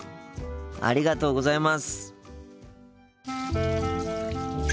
ありがとうございます。